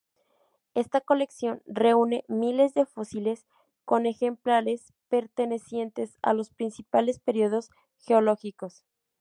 Esta colección reúne miles de fósiles, con ejemplares pertenecientes a los principales periodos geológicos.